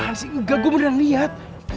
masih gak gue beneran liat